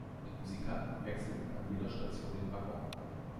Die Musikanten wechselten an jeder Station den Wagon.